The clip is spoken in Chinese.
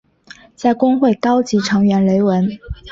在公会高级成员雷文。